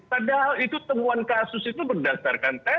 padahal itu temuan kasus itu berdasarkan tes